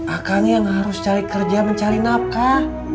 akan yang harus cari kerja mencari nafkah